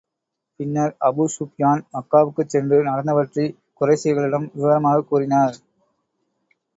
பின்னர், Abu Sufyan மக்காவுக்குச் சென்று நடந்தவற்றைக் குறைஷிகளிடம் விவரமாகக் கூறினார்.